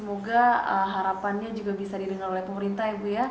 oke baik semoga harapannya juga bisa didengar oleh pemerintah ya ibu ya